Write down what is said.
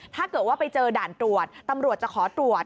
ถ้าเกิดว่าไปเจอด่านตรวจตำรวจจะขอตรวจ